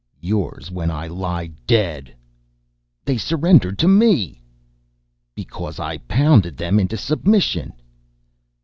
"Yours when I lie dead!" "They surrendered to me!" "Because I pounded them into submission."